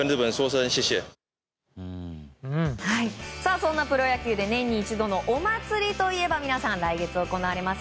そんなプロ野球で年に一度のお祭りといえば来月行われます